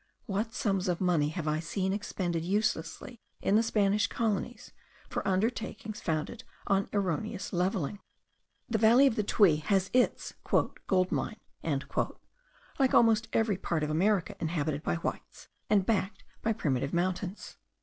What sums of money have I seen expended uselessly in the Spanish colonies, for undertakings founded on erroneous levelling! The valley of the Tuy has its 'gold mine,' like almost every part of America inhabited by whites, and backed by primitive mountains.